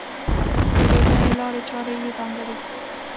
د روزنې لارې چارې یې ځانګړې دي.